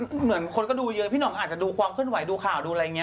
เหมือนคนก็ดูกว่าดูความเข้นไหวดูข่าวดูอะไรอย่างนี้